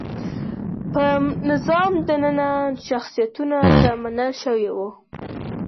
په نظام دننه شخصیتونو ته منل شوي وو.